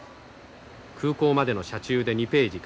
空港までの車中で２ページ描き